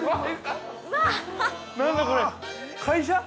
◆何だこれ、会社？